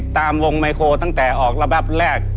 ตามวงไมโครตั้งแต่ออกระบัดแรก